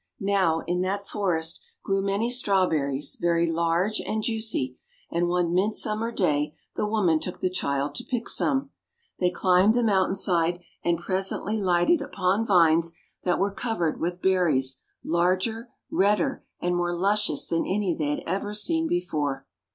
Now, in that forest grew many Strawberries very large and juicy, and one Midsummer Day the woman took the child to pick some. They climbed the mountain side, and presently lighted upon vines that were covered with berries larger, redder, and more luscious than any they had ever seen before.